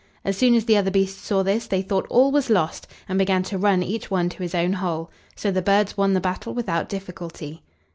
As soon as the other beasts saw this, they thought all was lost, and began to run each one to his own hole; so the birds won the battle without difficulty.